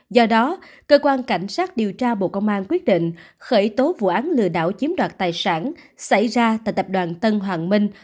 do đó cơ quan cảnh sát điều tra bộ công an quyết định khởi tố vụ án lừa đảo chiếm đoạt tài sản xảy ra tại tập đoàn tân hoàng minh